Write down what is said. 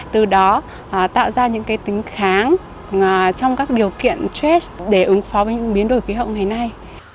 từ đó tạo ra những tính kháng trong các điều kiện trass để ứng phó với những biến đổi khí hậu ngày nay